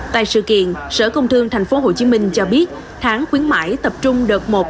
tại sự kiện sở công thương tp hcm cho biết tháng khuyến mại tập trung đợt một